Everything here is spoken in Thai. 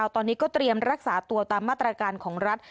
ตอนนี้ก็เตรียมรักษาตัวตามมาตรการของรัฐ